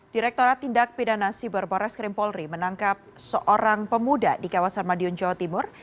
direkturat tindak pidanasi berboreskrim polri menangkap seorang pemuda di kawasan madiun jawa timur